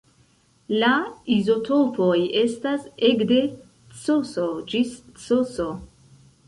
La izotopoj estas ekde Cs ĝis Cs.